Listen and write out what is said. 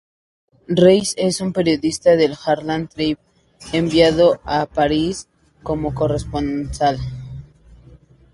Race es un periodista del "Herald Tribune" enviado a París como corresponsal.